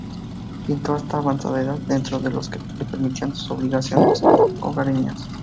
Pintó hasta avanzada edad, dentro de lo que le permitían sus obligaciones hogareñas.